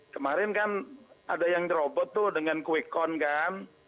kemarin kan ada yang dirobot tuh dengan quickcon kan